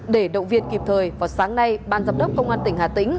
để động viên kịp thời vào sáng nay ban giám đốc công an tỉnh hà tĩnh